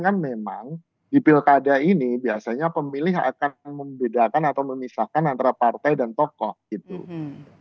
kan memang di pilkada ini biasanya pemilih akan membedakan atau memisahkan antara partai dan tokoh gitu